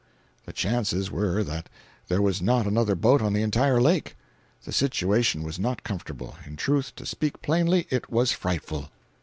The chances were that there was not another boat on the entire lake. The situation was not comfortable—in truth, to speak plainly, it was frightful.